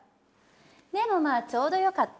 でもまあちょうどよかった。